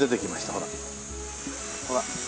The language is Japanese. ほら。